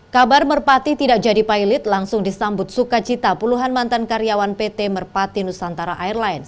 kabar merpati tidak jadi pilot langsung disambut sukacita puluhan mantan karyawan pt merpati nusantara airlines